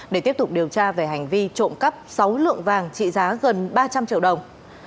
để tiếp tục điều tra về hành vi trộm cắp sáu lượng vàng trị giá gần ba trăm linh triệu đồng